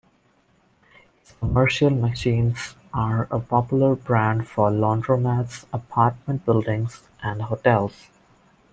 Its commercial machines are a popular brand for laundromats, apartment buildings, and hotels.